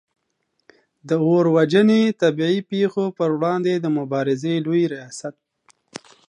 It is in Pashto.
د اور وژنې او طبعې پیښو پر وړاندې د مبارزې لوي ریاست